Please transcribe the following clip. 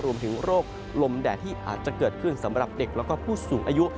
รวมถึงโรคลมแดดที่อาจจะเกิดขึ้นสำหรับเด็กและผู้สูงอายุ